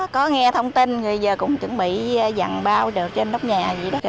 có nghe thông tin thì giờ cũng chuẩn bị dặn bao trên đất nhà vậy đó